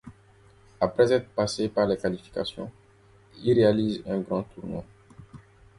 Après être passé par les qualifications, il réalise un grand tournoi.